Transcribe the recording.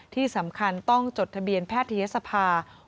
ที่สำคัญต้องจดทะเบียนแพทยศภา